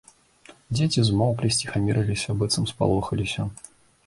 Дзеці змоўклі, сціхамірыліся, быццам спалохаліся.